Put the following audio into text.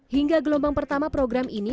hingga gelombang pertama program ini